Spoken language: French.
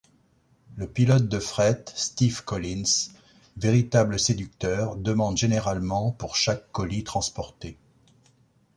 Le pilote de fret Steve Collins, véritable séducteur, demande généralement pour chaque colis transporté.